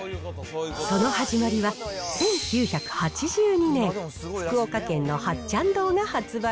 その始まりは、１９８２年、福岡県の八ちゃん堂が発売。